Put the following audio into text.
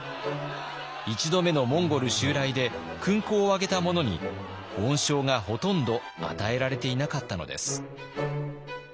１度目のモンゴル襲来で勲功を挙げた者に恩賞がほとんど与えられていなかったのです。